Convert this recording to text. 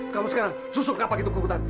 kamu sekarang susun kampak itu ke hutan